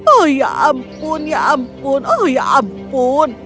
oh ya ampun ya ampun oh ya ampun